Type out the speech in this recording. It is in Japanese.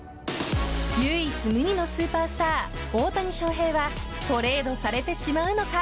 唯一無二のスーパースター大谷翔平はトレードされてしまうのか。